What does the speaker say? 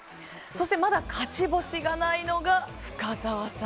まだ勝ち星がないのが深澤さん。